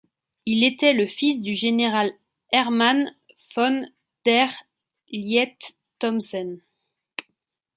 Il était le fils du général Hermann von der Lieth-Thomsen.